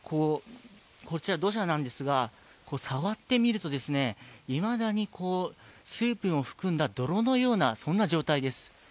こちら、土砂なんですが触ってみると、いまだに水分を含んだ泥のような状態です。